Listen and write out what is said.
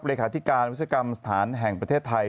เลขาธิการวิศกรรมสถานแห่งประเทศไทย